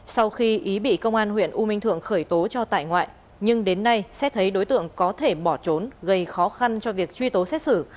sau khi ý bị công an huyện u minh thượng khởi tố cho tại ngoại nhưng đến nay xét thấy đối tượng có thể bỏ trốn gây khó khăn cho việc truy tố xét xử